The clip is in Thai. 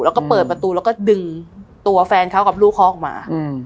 แล้วก็เปิดประตูแล้วก็ดึงตัวแฟนเขากับลูกเขาออกมา